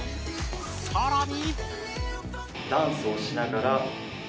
さらに。